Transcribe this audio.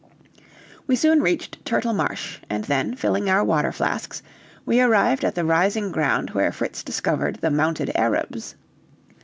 We soon reached Turtle Marsh, and then, filling our water flasks, we arrived at the rising ground where Fritz discovered the mounted Arabs.